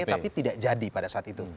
tapi tidak jadi pada saat itu